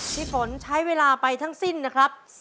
พี่ฝนใช้เวลาไปทั้งสิ้นนะครับ